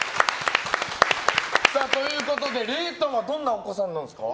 れーたんはどんなお子さんなんですか？